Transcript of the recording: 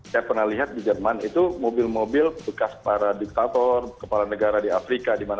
saya pernah lihat di jerman itu mobil mobil bekas para diktator kepala negara di afrika